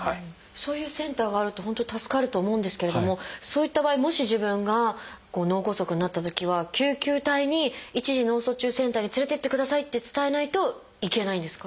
そういうセンターがあると本当に助かると思うんですけれどもそういった場合もし自分が脳梗塞になったときは救急隊に「一次脳卒中センターに連れていってください」って伝えないといけないんですか？